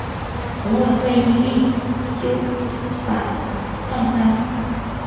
农委会亦一并修法放宽